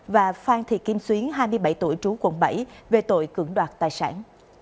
và phan thị kim xuyến hai mươi bảy tuổi trú quận bảy về tội cưỡng đoạt tài sản